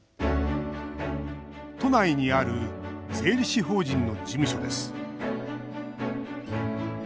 都内にある税理士法人の事務所です。